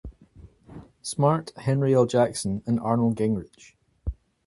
Smart, Henry L. Jackson and Arnold Gingrich.